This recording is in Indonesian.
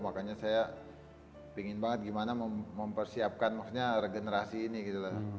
makanya saya pingin banget gimana mempersiapkan maksudnya regenerasi ini gitu loh